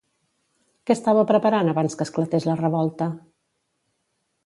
Què estava preparant abans que esclatés la revolta?